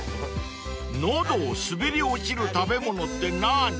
［喉を滑り落ちる食べ物ってなぁに？］